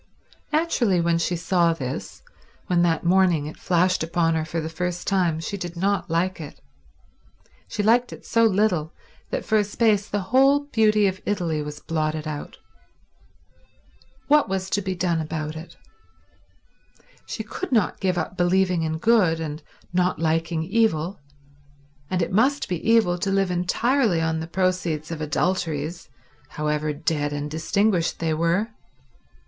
Naturally when she saw this, when that morning it flashed upon her for the first time, she did not like it; she liked it so little that for a space the whole beauty of Italy was blotted out. What was to be done about it? She could not give up believing in good and not liking evil, and it must be evil to live entirely on the proceeds of adulteries, however dead and distinguished they were.